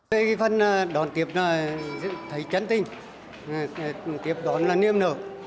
về phần đoàn tiếp thấy chân tinh đoàn tiếp đoàn là niêm nợ